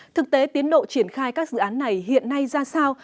thực tế tiến độ triển khai các dự án này hiện nay ra sao